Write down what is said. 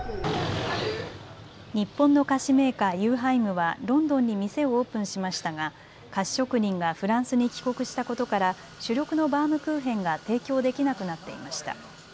日本の菓子メーカー、ユーハイムはロンドンに店をオープンしましたが菓子職人がフランスに帰国したことから主力のバウムクーヘンが提供できなくなっていました。